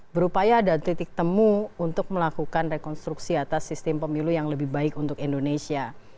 berupaya dan titik temu untuk melakukan rekonstruksi atas sistem pemilu yang lebih baik untuk indonesia